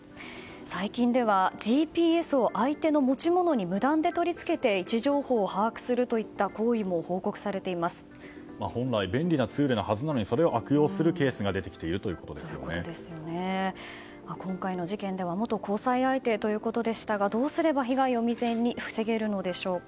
最近では、ＧＰＳを相手の持ち物に無断で取り付けて位置情報を把握するといった行為も本来便利なツールなはずなのにそれを悪用するケースが今回の事件では元交際相手ということでしたがどうすれば被害を未然に防げるのでしょうか。